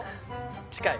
近い？